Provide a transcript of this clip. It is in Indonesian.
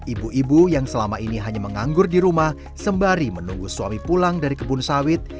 ibu ibu yang selama ini hanya menganggur di rumah sembari menunggu suami pulang dari kebun sawit